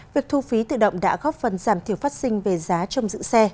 việc thu phí tự động đã góp phần giảm thiểu phát sinh về giá trong giữ xe